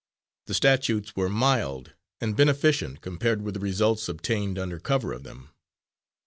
The statutes were mild and beneficent compared with the results obtained under cover of them.